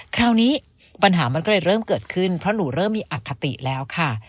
คราวนี้ปัญหามันก็เลยเริ่มเกิดขึ้นเพราะหนูเริ่มมีอคติแล้วค่ะ